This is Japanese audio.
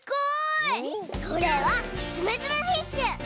それはつめつめフィッシュ。